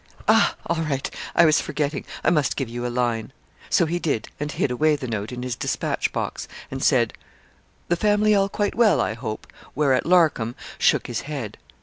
'Ah all right, I was forgetting; I must give you a line.' So he did, and hid away the note in his despatch box, and said 'The family all quite well, I hope?' whereat Larcom shook his head.